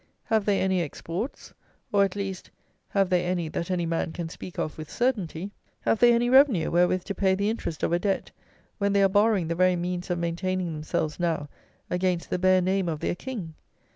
Have they any exports? Or, at least, have they any that any man can speak of with certainty? Have they any revenue wherewith to pay the interest of a debt, when they are borrowing the very means of maintaining themselves now against the bare name of their king?